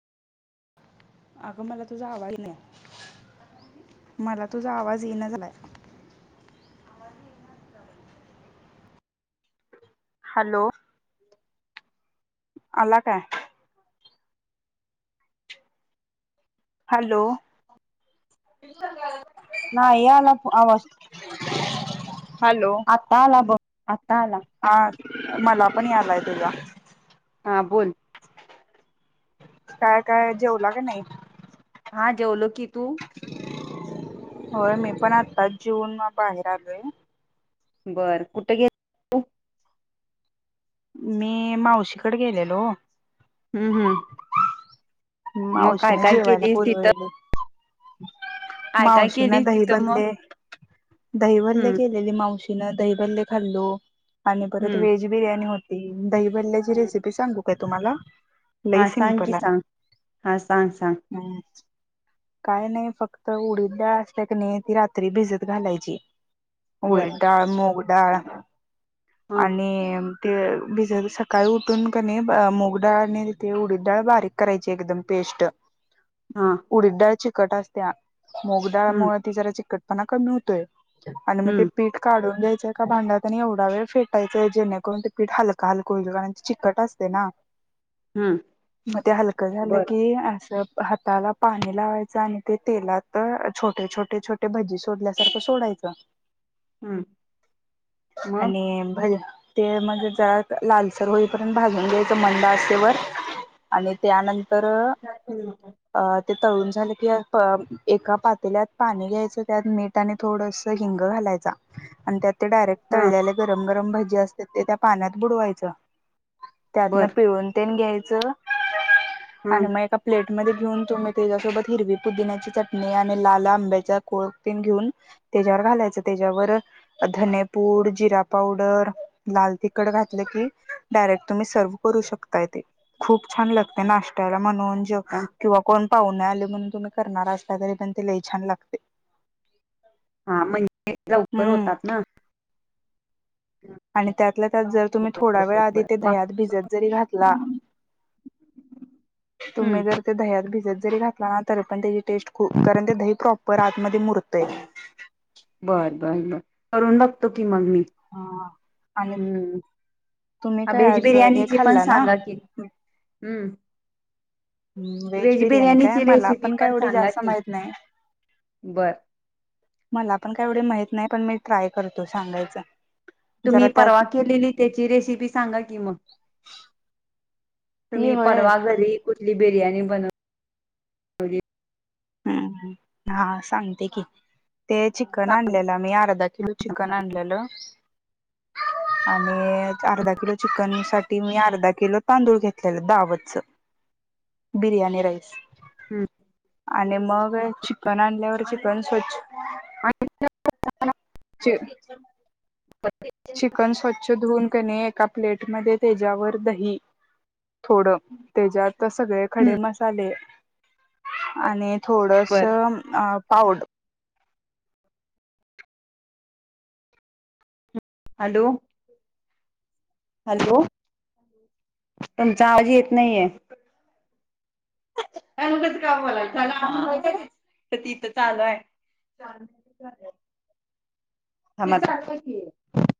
अगं मला तुझा आवाही नाही. मला तुझा आवाज येन झालाय. हॅलो. अला काय? हॅलो. ना या न आवास्त हा आता आला बघ आता आला. मला पण यालाय तुला हा बोल. काय काय जेवला क नाही. हा जेवलो कि तू होय मी पण आत्ताच जीवन म बाहेर आलोय. बर कुठे गे. मी मावशीकडे गेलेलो हो. हम्म हम्म. मग काय मावशीने काय जेवायला केलीस कोर तिथं वल काय काय मावशी ना केलीस दही तिथं मग बदले. दैवल्य हम्म केलेली मावशीनं दैवल खाल्लो आणि परत हम्म व्हेज बिर्याणी होती दहिभल्याची हम्म रेसिपी सांगू का तुम्हाला लई हा सांग सिम्पल की सांग हा सांग सांग. [unintelligible] काय नाही फक्त उडीद डाळ असते की नाही रात्री भिजत घालायची. बर उडीद डाळ मूगडाळ हा आणि अ ते अ भिजावी सकाळी उठून की नाही मुग डाळ आणि ते उडीद डाळ बारीक करायचे एकदम पेस्ट अ हा उडीद डाळ चिकट असत्याय. मूगडाळ हम्म मुळे ती जरा चिकटपणा कमी होतोय आणि मग ते हम्म पीठ काढून घ्याय एका भांड्यात ना एवढा वेळ फेटायचं जेणेकरून ते पीठ हाल [unintelligible] चिकट असते ना हम्म मग ते हलकं झालं बर की अस. अ हाताला पाणी लावायचं आणि ते तेलात अ छोटे छोटे छोटे भजी सोडल्यासारखं सोडायचं हम्म मग आणि भज ते अ म्हणजे जरा लालसर होईपर्यंत भाजून घ्यायचं मंद आचेवर आणि त्यानंतर अ-अ- ते तळून झालं कि एका पातेल्यात पाणी घ्यायचं त्यात मीठ आणि थोडस हिंग घालाय. [unintelligible] ते डायरेक्ट हा तळलेले गरम गरम भजी असतात ते त्या पाण्यात बुडवायचं. त्यातन बर पिळून तेन घ्यायच. हा आणि मग एका प्लेट मध्ये घेऊन तो मी त्याच्यासोबत हिरवी पुदिन्याची चटणी आणि लाल आंब्याच्या कोळपन घेऊन त्याच्यावर घालायचं त्याच्यावर धनेपूड, जिरा पावडर, लाल तिखट घातलं की डायरेक्ट तुम्ही सर्व्ह करू शकताय ते खूप छान लाग नाश्त्याला म्हणून जे का किंवा कोण पाहूणे आले म्हणून तुम्ही करणार असताल तरी पण ते लई छान लागतंय. हा म्हणजे लवकर होतात ना. आणि त्यातला त्यात जर तुम्ही बर थोडा वेळ आधी बर ते दह्यात भिजत जरी घातला- तुम्ही जर ते दह्यात भिजत. जरी घातलं ना तरीपण त्याची टेस्ट खू कारण की दही प्रॉपर आ मध्ये मूर्तय नाही नाही करुन बघतो कि मग मी हा आणि हम्म. तुम्ही काय व्हेज आज हे बिर्याणीची पण खाल्ला ना सांगा की हम्म. हम्म व्हेज बिर्याणी काय बिर्याणीची मला रेसिपी पण काय एवढी सांगा जास्त की माहित नाही. बर मला पण काय एवढे माहित नाही पण मी ट्राय करतो सांगायचं. जरा तुम्ही परवा त्यात केलेली त्याची रेसिपी सांगा की मग ती तुम्ही होय परवा घरी कुठली बिर्याणी बन बनवली. हम्म हा सांगते की ते अ चिकन आणलेलं मी अर्धा किलो चिकन आणलेलं. आणि त अर्धा किलो चिकन सा मी अर्धा किलो तांदूळ घेतलेलं दावतच बिर्याणी राईस हम्म. आणि मग चिकन आणल्यावर चिकन स्वच्छ [unintelligible] चिक चिकन स्वच्छ धुवून का नाही एका प्लेटमध्ये त्याच्यावर दही थोडं त्याच्यात सगळे हम्म खडे मसाले आणि थोडस बर अ पावड हॅलो. हॅलो तुमचा आवाज येत नाहीये. अकच का बोलायचला तिथं चालू आहे. [unintelligible]